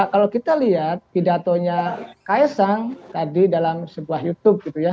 kalau kita lihat pidatonya kaisang tadi dalam sebuah youtube gitu ya